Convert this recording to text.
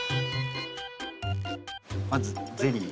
まずゼリー。